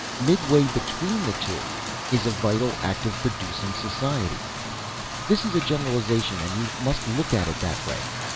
Midway between the two is a vital, active, producing society. "This is a generalization and you must look at it that way.